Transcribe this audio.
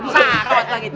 sakot lah gitu